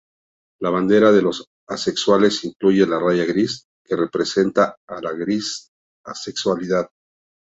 La bandera de los asexuales incluye la raya gris, que representa a la gris-asexualidad.